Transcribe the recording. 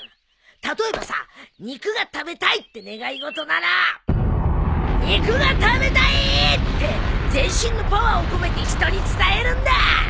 例えばさ「肉が食べたい」って願い事なら「肉が食べたい！」って全身のパワーを込めて人に伝えるんだ！